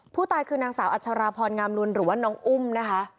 ผู้ตายคือนางสาวอัชราพรงามนุนหรือว่าน้องอุ้มนะคะ